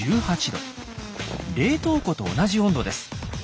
冷凍庫と同じ温度です。